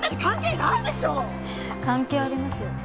関係ありますよ。